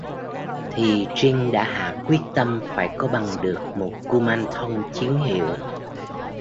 Thì Trinh đã hạ quyết tâm phải có bằng được một Kumanthong chính hiệu